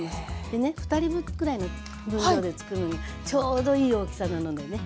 でね２人分くらいの分量でつくるにはちょうどいい大きさなのでね